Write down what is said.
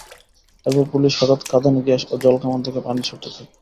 এরপর পুলিশ হঠাৎ কাঁদানে গ্যাস ও জলকামান থেকে পানি ছুড়তে থাকে।